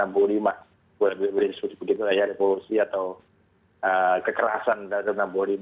bukan begitu begitu ya revolusi atau kekerasan dari seribu sembilan ratus enam puluh lima